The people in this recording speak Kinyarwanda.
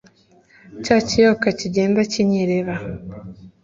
cya kiyoka kigenda kinyerera